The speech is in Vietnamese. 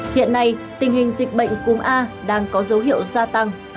hiện nay tình hình dịch bệnh cúm a đang có dấu hiệu gia tăng